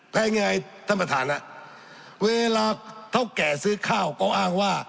แพงยังไงท่านประธานเวลาเท่าแก่ซื้อข้าวก็อ้างว่า